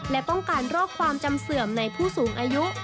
และป้องกันโรคความจำเสื่อมในผู้สูงอายุ